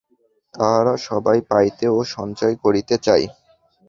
তাহারা সবাই পাইতে ও সঞ্চয় করিতে চায়।